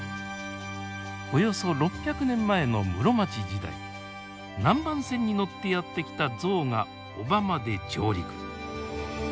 およそ６００年前の室町時代南蛮船に乗ってやって来たゾウが小浜で上陸。